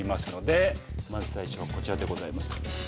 まず最初はこちらでございます。